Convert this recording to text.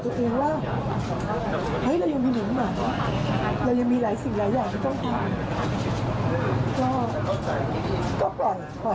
หรืออาจจะไม่ได้มีเรื่องในใจหรือตัว